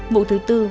vụ thứ tư